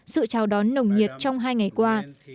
sự chào đón nồng nhiệt trong hai ngày qua